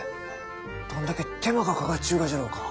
どんだけ手間がかかっちゅうがじゃろうか？